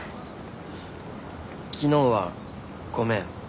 昨日はごめん。